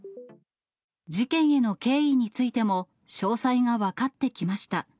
事件への経緯についても詳細が分かってきました。